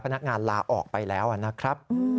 พนักงานลาออกไปแล้วนะครับ